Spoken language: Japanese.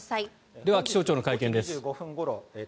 では気象庁の会見です。